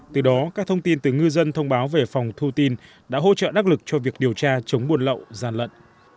từ đó các thông tin từ ngư dân thông báo về phòng thu tin đã hỗ trợ đắc lực cho việc điều tra chống buồn lậu gian lận